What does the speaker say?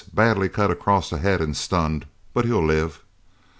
Badly cut across the head and stunned, but he'll live."